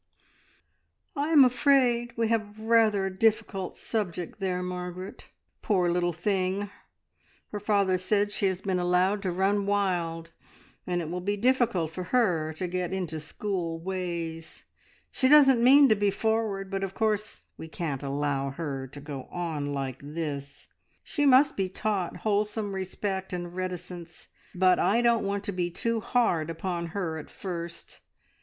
"I am afraid we have rather a difficult subject there, Margaret! Poor little thing! Her father says she has been allowed to run wild, and it will be difficult for her to get into school ways. She doesn't mean to be forward, but of course we can't allow her to go on like this. She must be taught wholesome respect and reticence, but I don't want to be too hard upon her at first.